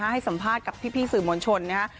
ให้สัมภาษณ์กับพี่สื่อมวลชนนะครับ